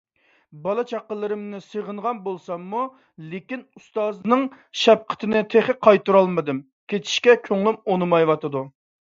بالا - چاقىلىرىمنى سېغىنغان بولساممۇ، لېكىن ئۇستازنىڭ شەپقىتىنى تېخى قايتۇرالمىدىم. كېتىشكە كۆڭلۈم ئۇنىمايۋاتىدۇ.